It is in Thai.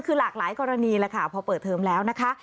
คือหลากหลายกรณีแหละค่ะพอเปิดเทอมแล้วนะคะ